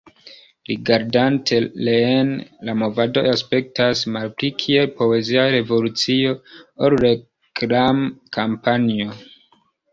Rigardante reen, la movado aspektas malpli kiel poezia revolucio ol reklam-kampanjo.